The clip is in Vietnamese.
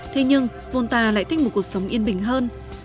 thế nhưng volta lại thích một cuộc sống yên bình hơn